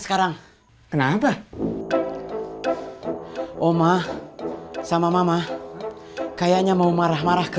akang nggak takut nuni dilabrak